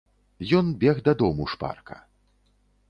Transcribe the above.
Ён бег дадому шпарка.